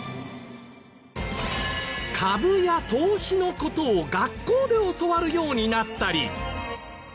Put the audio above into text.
株や投資の事を学校で教わるようになったり。